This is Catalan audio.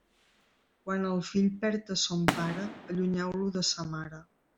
Quan el fill perd a son pare, allunyeu-lo de sa mare.